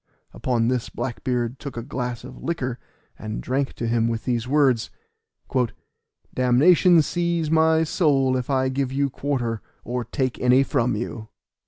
Upon this Black beard took a glass of liquor, and drank to him with these words: "Damnation seize my soul if I give you quarter, or take any from you."